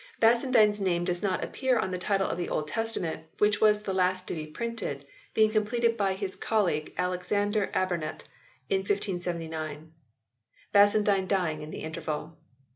Bassandyne s name does not appear on the title of the Old Testament, which was the last to be printed, being completed by his colleague Alexander Arbuthnet in 1579, Bassandyne dying in the interval.